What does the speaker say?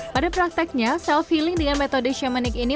pada prakteknya self healing dengan metode shamic ini